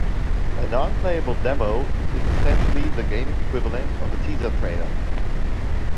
A non-playable demo is essentially the gaming equivalent of a teaser trailer.